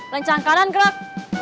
lancang kanan gerak